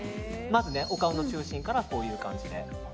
まず、お顔の中心からこういう感じで。